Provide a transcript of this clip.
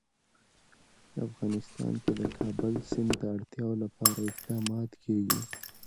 افغانستان کې د کابل سیند د اړتیاوو لپاره اقدامات کېږي.